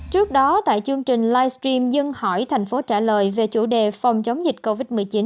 trước đó tại chương trình livestream dân hỏi thành phố trả lời về chủ đề phòng chống dịch covid một mươi chín